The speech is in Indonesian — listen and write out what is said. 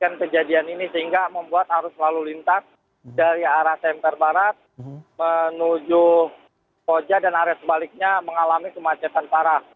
kejadian ini sehingga membuat arus lalu lintas dari arah semper barat menuju koja dan arah sebaliknya mengalami kemacetan parah